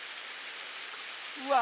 うわ！